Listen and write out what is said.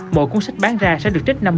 mỗi cuốn sách bán ra sẽ được trách nhiệm